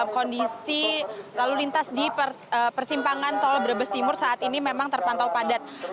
kondisi lalu lintas di persimpangan tol brebes timur saat ini memang terpantau padat